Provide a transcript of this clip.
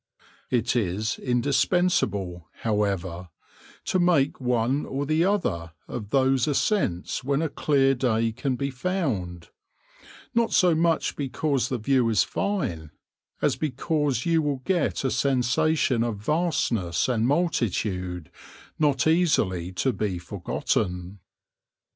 It is indispensable, however, to make one or the other of those ascents when a clear day can be found, not so much because the view is fine, as because you will get a sensation of vastness and multitude not easily to be forgotten.